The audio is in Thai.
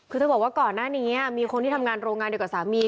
คือเธอบอกว่าก่อนหน้านี้มีคนที่ทำงานโรงงานเดียวกับสามี